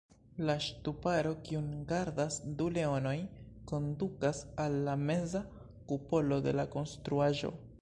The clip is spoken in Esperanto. La ŝtuparo, kiun gardas du leonoj, kondukas al la meza kupolo de la konstruaĵo.